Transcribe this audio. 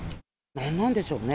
何なんでしょうね。